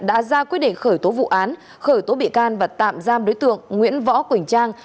đã ra quyết định khởi tố vụ án khởi tố bị can và tạm giam đối tượng nguyễn võ quỳnh trang